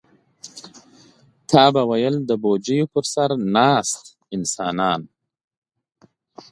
تا به ویل د بوجیو پر سر ناست انسانان.